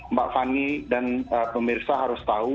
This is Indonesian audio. mbak fani dan pemirsa harus tahu